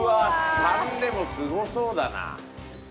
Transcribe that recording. ３でもすごそうだな。